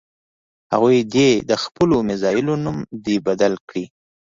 هغوی دې د خپلو میزایلونو نوم دې بدل کړي.